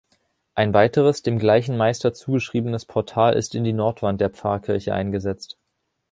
Ein weiteres, dem gleichen Meister zugeschriebenes Portal ist in die Nordwand der Pfarrkirche eingesetzt.